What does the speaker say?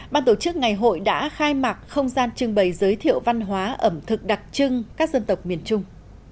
ban tổ chức ngày hội đã khai mạc không gian trưng bày giới thiệu văn hóa ẩm thực đặc trưng các dân tộc miền trung